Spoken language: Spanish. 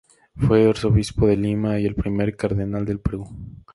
Fue arzobispo de Lima y el primer cardenal del Perú.